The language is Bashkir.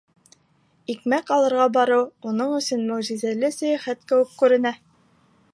Икмәк алырға барыу уның өсөн мөғжизәле сәйәхәт кеүек күренә.